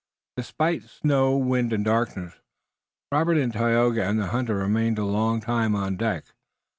Despite snow, wind and darkness Robert, Tayoga and the hunter remained a long, time on deck.